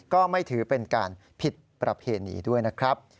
ก็ไม่ถือเป็นการผิดประเพณีด้วยนะครับ